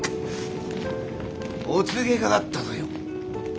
お告げがあったぞよ。